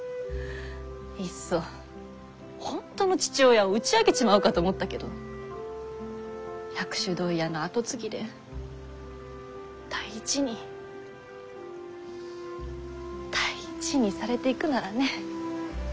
いっそ本当の父親を打ち明けちまおうかと思ったけど薬種問屋の跡継ぎで大事に大事にされていくならね。